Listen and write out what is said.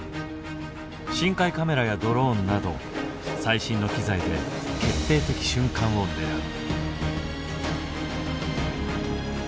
深海カメラやドローンなど最新の機材で決定的瞬間を狙う。